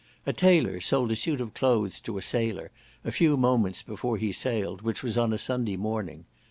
A tailor sold a suit of clothes to a sailor a few moments before he sailed, which was on a Sunday morning.